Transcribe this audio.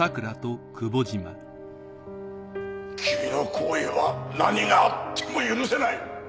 君の行為は何があっても許せない。